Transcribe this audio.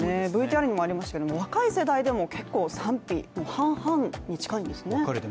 ＶＴＲにもありましたけど、若い世代でも結構、賛否、半々に近いんですね。